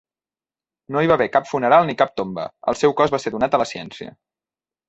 No hi va haver cap funeral ni cap tomba, el seu cos va ser donat a la ciència.